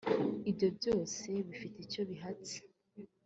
ibyo byose bifite icyo bihatse